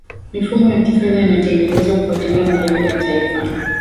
mifumo ya kifedha inatengenezwa kufuatilia malengo ya taifa